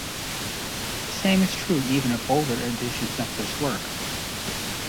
The same is true even of older editions of this work.